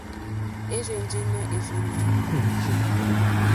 Érzènjé nà ɛ́rzɛ̀nɛ́á.